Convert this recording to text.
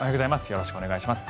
よろしくお願いします。